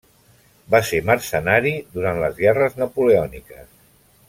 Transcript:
Va ser mercenari durant les guerres napoleòniques.